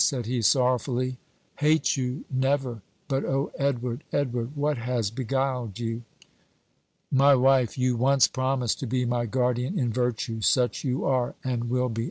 said he, sorrowfully. "Hate you never! But, O Edward, Edward, what has beguiled you?" "My wife you once promised to be my guardian in virtue such you are, and will be.